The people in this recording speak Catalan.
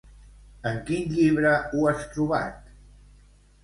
En quin llibre ho has trobat?